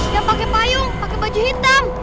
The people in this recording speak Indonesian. yang pake payung pake baju hitam